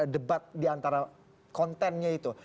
debat di antara kontennya itu